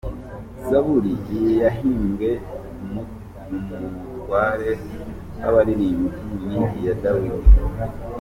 Zaburi iyi yahimbiwe umutware w’abaririmbyi Ni iya Dawidi.